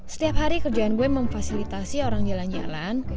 setiap hari kerjaan gue memfasilitasi orang jalan jalan